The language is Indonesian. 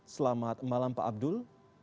selamat malam pak abdul